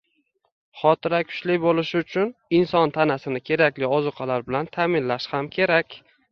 Xotira kuchli bo‘lishi uchun inson tanasini kerakli ozuqalar bilan ta’minlash ham kerak.